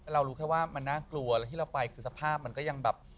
เรารู้แค่ว่ามันน่ากลัวแล้วที่เราไปคือสภาพมันก็ยังแบบ